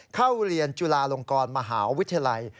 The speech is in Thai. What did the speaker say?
เข้าเรียนจุฬาลงกรมหาวิทยาลัย